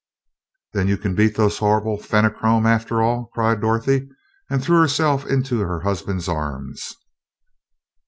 "Then you can beat those horrible Fenachrone, after all!" cried Dorothy, and threw herself into her husband's arms.